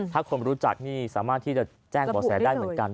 ถ้าคนรู้จักนี่สามารถที่จะแจ้งบ่อแสได้เหมือนกัน